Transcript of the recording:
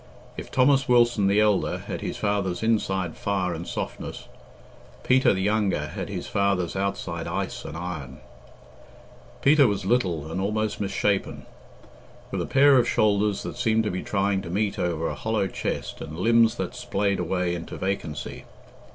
If Thomas Wilson the elder had his father's inside fire and softness, Peter, the younger, had his father's outside ice and iron. Peter was little and almost misshapen, with a pair of shoulders that seemed to be trying to meet over a hollow chest and limbs that splayed away into vacancy.